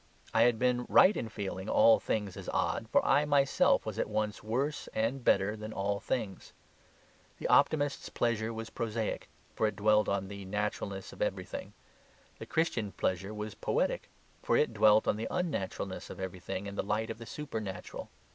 I had been right in feeling all things as odd, for I myself was at once worse and better than all things. The optimist's pleasure was prosaic, for it dwelt on the naturalness of everything; the Christian pleasure was poetic, for it dwelt on the unnaturalness of everything in the light of the supernatural.